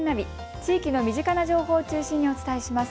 地域の身近な情報を中心にお伝えします。